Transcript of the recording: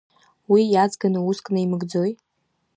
Уи иаҵганы уск наимыгӡои.